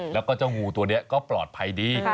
แล้วก็เจ้างูตัวนี้ก็ปลอดภัยดี